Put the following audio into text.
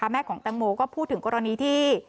แม่ของแตงโมก็พูดถึงกรณีที่